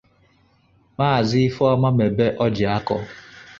Maazị Ifeomamebe Orjiako